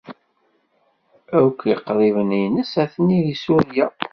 Akk iqriben-nnes atni deg Surya.